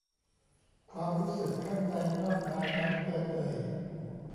ความรู้สึกข้างในมากมายนั้นเกินเอ่ย